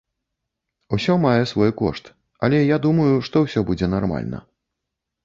Усё мае свой кошт, але я думаю, што ўсё будзе нармальна.